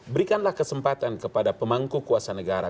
berikanlah kesempatan kepada pemangku kuasa negara